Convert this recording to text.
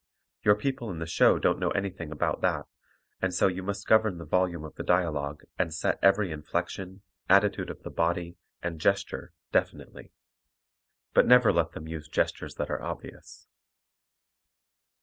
Your people in the show don't know anything about that, and so you must govern the volume of the dialogue and set every inflection, attitude of the body, and gesture definitely. But never let them use gestures that are obvious.